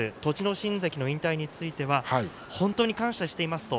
心関の引退については本当に感謝しています。